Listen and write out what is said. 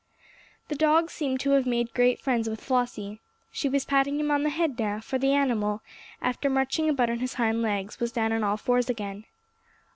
The dog seemed to have made great friends with Flossie. She was patting him on the head now, for the animal, after marching about on his hind legs, was down on all fours again.